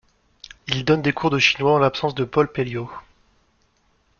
Il donne des cours de chinois en l'absence de Paul Pelliot.